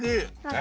え？